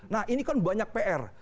nah ini kan banyak pr